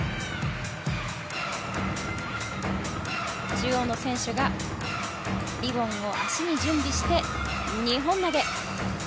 中央の選手がリボンを足に準備して２本投げ。